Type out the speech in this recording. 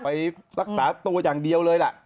ไปรักษาตัวอย่างเดียวเลยล่ะ